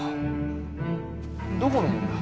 どこのもんだ？